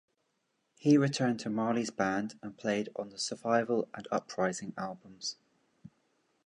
He returned to Marley's band and played on the "Survival" and "Uprising" albums.